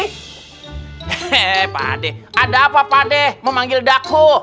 hehehe pak d ada apa pak d memanggil daku